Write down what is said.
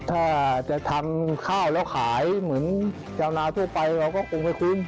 ถ้าจะทำข้าวแล้วขายเหมือนชาวนาทั่วไปเราก็คงไม่คุ้น